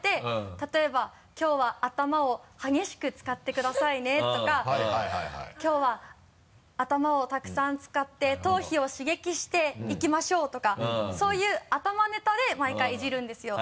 例えば「きょうは頭をはげしく使ってくださいね」とか。「きょうは頭をたくさん使って頭皮を刺激していきましょう」とかそういう頭ネタで毎回イジるんですよ。